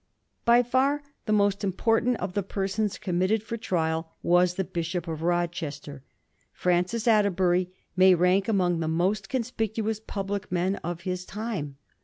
By far the most important of the persons com mitted for trial was the Bishop of Rochester. Francis Atterbury may rank among the most conspicuous public men of his time.